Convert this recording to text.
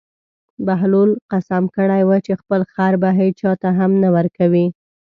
بهلول قسم کړی و چې خپل خر به هېچا ته هم نه ورکوي.